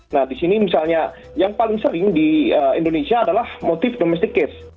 nah di sini misalnya yang paling sering di indonesia adalah motif domestic case